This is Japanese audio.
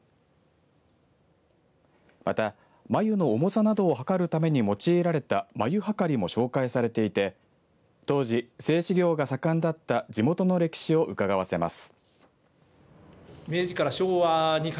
また、繭の重さなどを量るために用いられた繭秤も紹介されていて当時製糸業が盛んだった地元の歴史をうかがわせます。